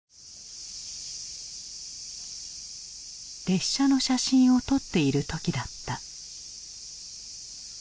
列車の写真を撮っている時だった。